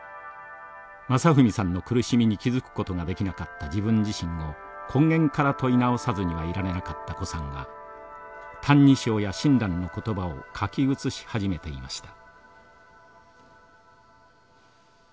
真史さんの苦しみに気付くことができなかった自分自身を根源から問い直さずにはいられなかった高さんは「歎異抄」や親鸞の言葉を書き写し始めていました。